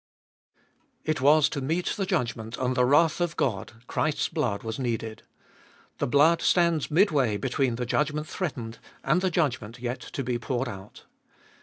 2. It was to meet the judgment and the wrath of God Christ's blood was needed. The blood stands midway between the judgment threatened and the judgment yet to be poured out.